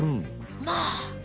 まあ！